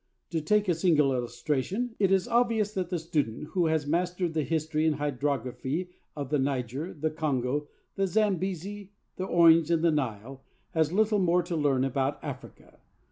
To take a single illustration, it is obvious that the student who has mastered the history and hydrography of the Niger, the Congo, the Zambesi, the Orange, and the Nile has little more to learn about Africa.